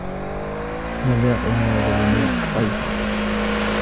مذاق هذا الماء طيب.